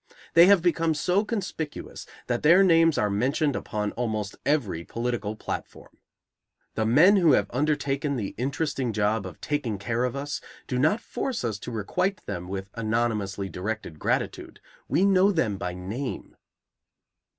They have become so conspicuous that their names are mentioned upon almost every political platform. The men who have undertaken the interesting job of taking care of us do not force us to requite them with anonymously directed gratitude. We know them by name.